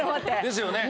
ですよね。